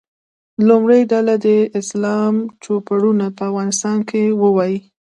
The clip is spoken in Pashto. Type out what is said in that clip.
لومړۍ ډله دې د اسلام چوپړونه په افغانستان کې ووایي.